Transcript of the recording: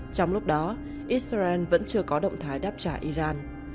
trong lúc đó israel vẫn chưa có động thái đáp trả iran